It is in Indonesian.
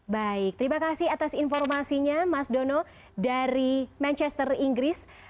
baik terima kasih atas informasinya mas dono dari manchester inggris